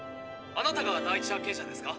「あなたが第１発見者ですか？」。